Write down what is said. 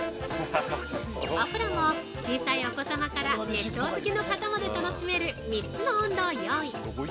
お風呂も、小さいお子様から、熱湯好きの方まで楽しめる３つの温度を用意！